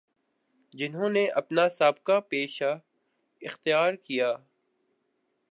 جنہوں نے اپنا سا بقہ پیشہ اختیارکیا